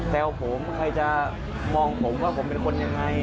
แซวผมใครจะมองผมว่าผมเป็นคนยังไง